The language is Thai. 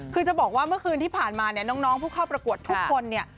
คือจะบอกว่าเมื่อคืนที่ผ่านมาเนี่ยน้องผู้เข้าประกวดทุกคนเนี่ย